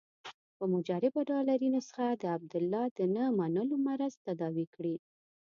په مجربه ډالري نسخه د عبدالله د نه منلو مرض تداوي کړي.